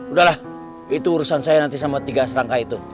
udahlah itu urusan saya nanti sama tiga serangka itu